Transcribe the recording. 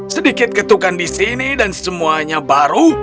sedikit ketukan di sini dan semuanya baru